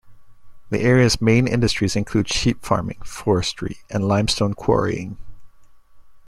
The area's main industries include sheep farming, forestry, and limestone quarrying.